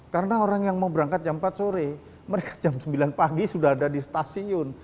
karena orang yang mau berangkat jam empat sore mereka jam sembilan pagi sudah ada di stasiun